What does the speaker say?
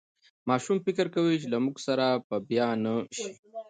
ماشوم فکر کوي چې له مور سره به بیا نه شي.